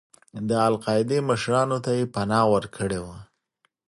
د القاعدې مشرانو ته یې پناه ورکړې وه.